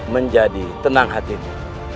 menjadi tenang hatimu